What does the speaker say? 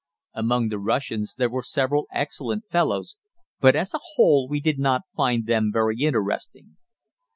Among the Russians there were several excellent fellows, but as a whole we did not find them very interesting.